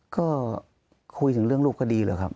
ก็คุยถึงเรื่องรูปคดีเหรอครับ